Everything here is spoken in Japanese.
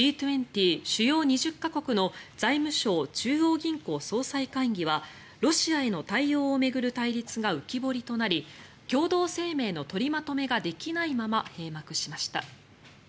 主要２０か国の財務相・中央銀行総裁会議はロシアへの対応を巡る対立が浮き彫りとなり共同声明の取りまとめができないまま閉幕しました。